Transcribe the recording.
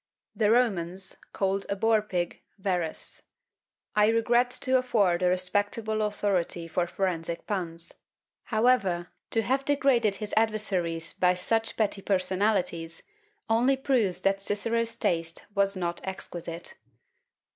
The Romans called a boar pig Verres. I regret to afford a respectable authority for forensic puns; however, to have degraded his adversaries by such petty personalities, only proves that Cicero's taste was not exquisite.